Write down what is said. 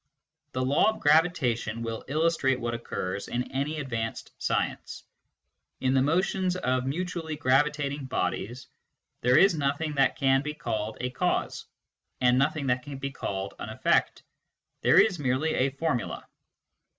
The law of gravitation will illustrate what occurs in any advanced science. In the motions of mutually gravitating bodies, there is nothing that can be called a cause, and nothing that can be called an effect ; there is merely a formula.